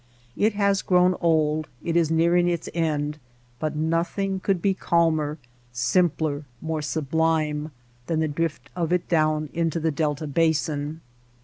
It has grown old, it is nearing its end ; but nothing could be calmer, simpler, more sublime, than the drift of it down into the delta basin.